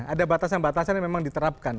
ada batasan batasan yang memang diterapkan